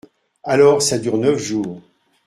Alors ça dure neuf jours !